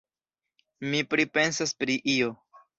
Mi pripensas pri io.